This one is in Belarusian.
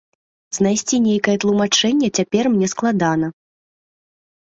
Знайсці нейкае тлумачэнне цяпер мне складана.